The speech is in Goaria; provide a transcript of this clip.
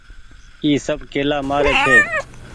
اي سب ڪيلآ مآري ڇي۔